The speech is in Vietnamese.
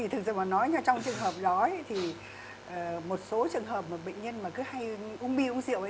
thực sự mà nói trong trường hợp đó thì một số trường hợp bệnh nhân mà cứ hay uống bia uống rượu